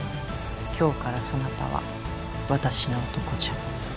今日からそなたは私の男じゃ。